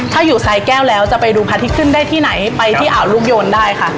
ถ้าอยู่สายแก้วแล้วจะไปดูพระอาทิตย์ขึ้นได้ที่ไหนไปที่อ่าวลูกโยนได้ค่ะ